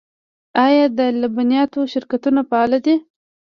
آیا د لبنیاتو شرکتونه فعال دي؟